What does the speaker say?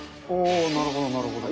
なるほど、なるほど。